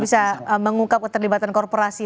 bisa mengungkap keterlibatan korporasi